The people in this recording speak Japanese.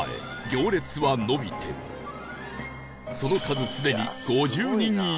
その数すでに５０人以上！